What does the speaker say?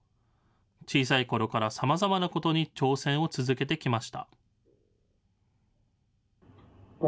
小さいころからさまざまなことに挑戦を続けてきました。